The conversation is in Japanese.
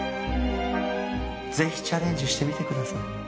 ぜひチャレンジしてみてください。